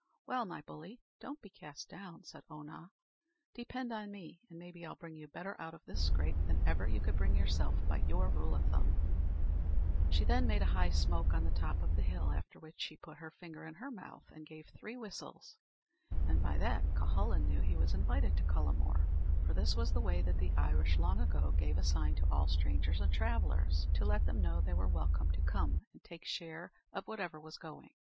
"Well, my bully, don't be cast down," said Oonagh; "depend on me, and maybe I'll bring you better out of this scrape than ever you could bring yourself, by your rule o' thumb." She then made a high smoke on the top of the hill after which she put her finger in her mouth, and gave three whistles, and by that Cuhullin knew he was invited to Cullamore for this was the way that the Irish long ago gave a sign to all strangers and travellers, to let them know they were welcome to come and take share of whatever was going.